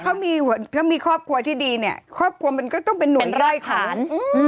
เขามีครอบครัวที่ดีเนี่ยครอบครัวมันก็ต้องเป็นหนวลไร่ขาน